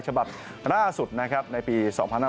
ฉบับล่าสุดนะครับในปี๒๕๕๙